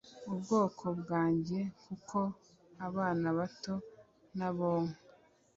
ubwoko bwanjye Kuko abana bato n abonka